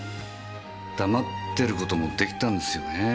黙ってる事もできたんですよねぇ。